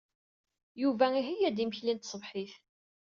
Yuba iheyya-d imekli n tṣebḥit.